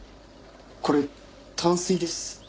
これ淡水です。